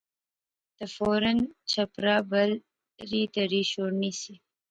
تہ فورا چھپرا بل ری تہری شوڑنی سی